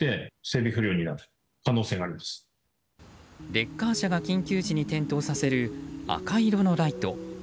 レッカー車が緊急時に点灯させる赤色のライト。